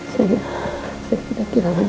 saya tidak kehilangan